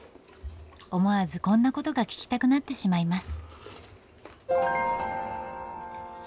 思わずこんなことが聞きたくなってしまいます。